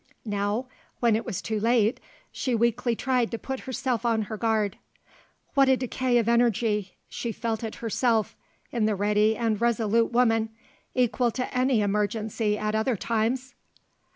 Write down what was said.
Now, when it was too late, she weakly tried to put herself on her guard. What a decay of energy (she felt it herself) in the ready and resolute woman, equal to any emergency at other times!